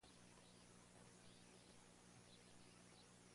¿Cómo procedió la primera inauguración?